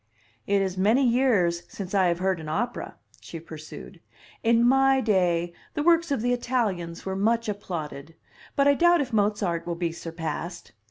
"It is many years since I have heard an opera," she pursued. "In my day the works of the Italians were much applauded. But I doubt if Mozart will be surpassed.